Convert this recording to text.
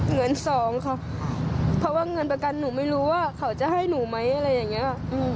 เงินสองค่ะเพราะว่าเงินประกันหนูไม่รู้ว่าเขาจะให้หนูไหมอะไรอย่างนี้